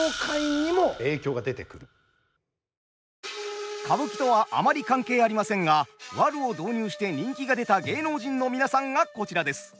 これ歌舞伎とはあまり関係ありませんがワルを導入して人気が出た芸能人の皆さんがこちらです。